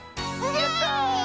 やった！